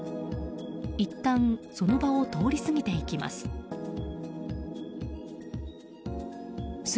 いったんその場を通り過ぎていきます。